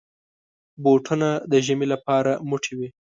بوټونه د ژمي لپاره موټي وي.